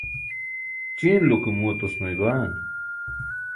ćiinaulo ke muu atosmay baan